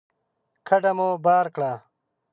کډه مو بار کړه